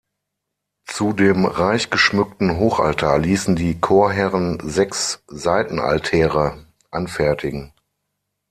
Zu dem reich geschmückten Hochaltar ließen die Chorherren sechs Seitenaltäre anfertigen.